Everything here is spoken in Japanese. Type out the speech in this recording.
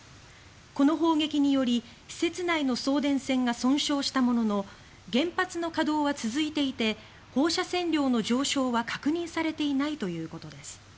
この砲撃により施設内の送電線が損傷したものの原発の稼働は続いていて放射線量の上昇は確認されていないということです。